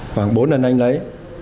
khoảng bốn lần anh lấy